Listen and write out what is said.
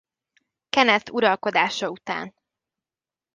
Kenneth uralkodása után.